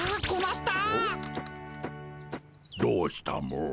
どうしたモ？